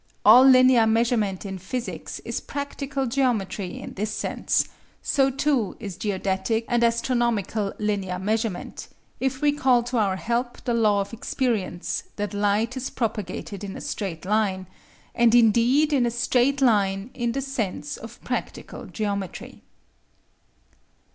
All linear measurement in physics is practical geometry in this sense, so too is geodetic and astronomical linear measurement, if we call to our help the law of experience that light is propagated in a straight line, and indeed in a straight line in the sense of practical geometry.